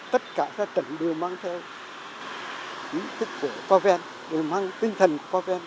tất cả các trận đều mang theo ý thích của pavem đều mang tinh thần của pavem